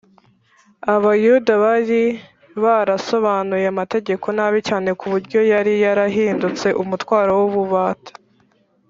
Abayuda bari barasobanuye amategeko nabi cyane ku buryo yari yarahindutse umutwaro w’ububata